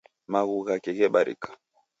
Maghu ghake ghebarika.